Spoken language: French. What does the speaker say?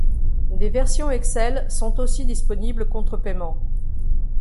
Des versions Excel sont aussi disponibles contre paiement.